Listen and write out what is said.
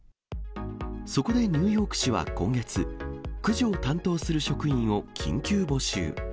そこでニューヨーク市は今月、駆除を担当する職員を緊急募集。